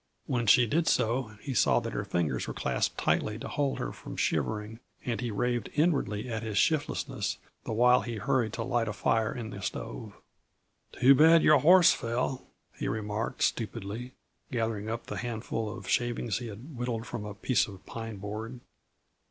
When she did so, he saw that her fingers were clasped tightly to hold her from shivering, and he raved inwardly at his shiftlessness the while he hurried to light a fire in the stove. "Too bad your horse fell," he remarked stupidly, gathering up the handful of shavings he had whittled from a piece of pine board.